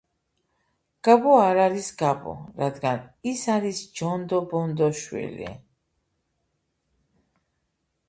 გაბო არ არის გაბო, რადგან ის არის ჯონდობონდოშვილი